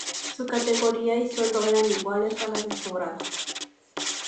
Su categoría y sueldo eran iguales a las del sobrado.